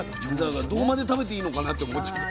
だからどこまで食べていいのかなって思っちゃう。